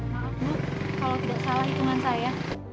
maaf bu kalau tidak salah hitungan saya